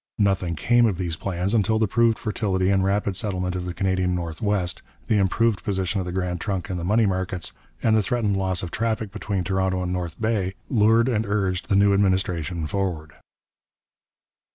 Nothing came of these plans until the proved fertility and rapid settlement of the Canadian North West, the improved position of the Grand Trunk in the money markets, and the threatened loss of traffic between Toronto and North Bay, lured and urged the new administration forward.